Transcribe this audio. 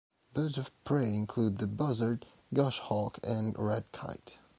Birds of prey include the buzzard, goshawk and red kite.